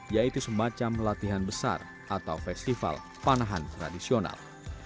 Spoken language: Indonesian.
yaitu semacam latihan besar atau festival panahan tradisional